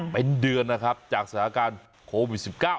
เป็นเดือนนะครับจากสถานการณ์โควิด๑๙